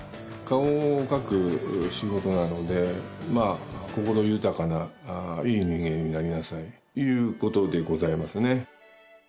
顔を描く仕事なのでまぁ心豊かないい人間になりなさいということでございますね。